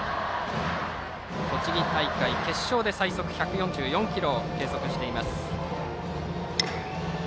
栃木大会決勝で最速１４４キロを計測。